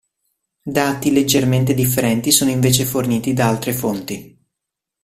Dati leggermente differenti sono invece forniti da altre fonti.